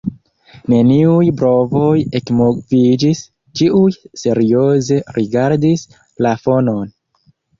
Neniuj brovoj ekmoviĝis, ĉiuj serioze rigardis plafonon.